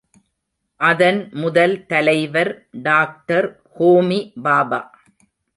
அதன் முதல் தலைவர் டாக்டர் ஹோமி பாபா.